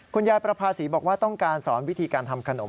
คุณยายประภาษีบอกว่าต้องการสอนวิธีการทำขนม